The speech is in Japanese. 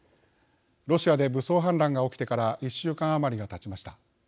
ロシアで武装反乱が起きてから１週間余りがたちました。